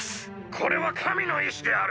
これは神の意志である！